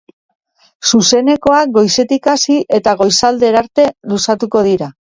Zuzenekoak goizetik hasi eta goizaldera arte luzatuko dira.